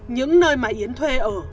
những nơi mà yến thuê ở